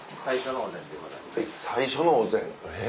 最初のお膳。